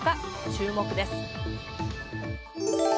注目です。